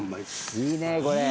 いいねこれ。